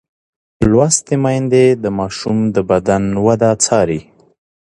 لوستې میندې د ماشوم د بدن وده څاري.